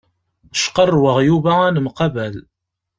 Cqarrweɣ Yuba ad nemqabal.